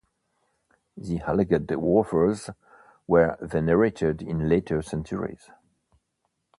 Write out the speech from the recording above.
The alleged wafers were venerated in later centuries.